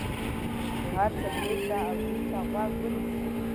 نو هر څه پرېږده او دوی ته غوږ ونیسه.